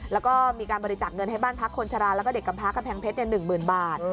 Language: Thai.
แล้วก็มีการบริจักษ์เงินให้บ้านพลักษณ์คนชราแล้วก็เด็กกำพลักษณ์กำแพงเพชรเนี่ย๑๐๐๐๐บาท